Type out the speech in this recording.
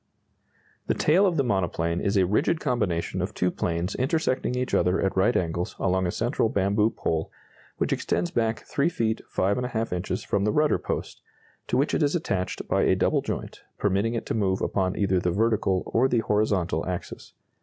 ] The tail of the monoplane is a rigid combination of two planes intersecting each other at right angles along a central bamboo pole which extends back 3 feet 5½ inches from the rudder post, to which it is attached by a double joint, permitting it to move upon either the vertical or the horizontal axis.